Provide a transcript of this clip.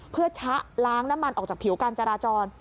เพื่อชะล้างน้ำมันออกจากผิวการจราจร